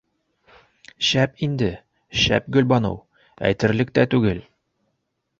Шәп инде, шәп Гөлбаныу, әйтерлек тә түгел.